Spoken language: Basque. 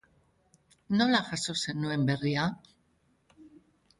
Nola jaso zenuen berria?